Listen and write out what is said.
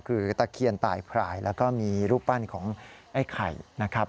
คือตะเคียนตายพรายแล้วก็มีรูปปั้นของไอ้ไข่นะครับ